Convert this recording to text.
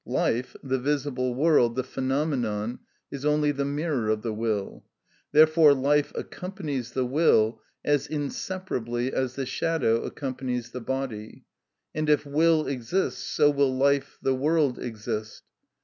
Life, the visible world, the phenomenon, is only the mirror of the will. Therefore life accompanies the will as inseparably as the shadow accompanies the body; and if will exists, so will life, the world, exist.